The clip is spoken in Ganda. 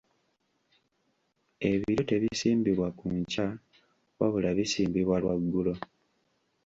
Ebiryo tebisimbibwa ku nkya wabula bisimbibwa lwaggulo.